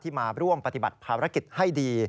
มาร่วมปฏิบัติภารกิจให้ดี